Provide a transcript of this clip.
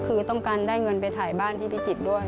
คือต้องการได้เงินไปถ่ายบ้านที่พิจิตรด้วย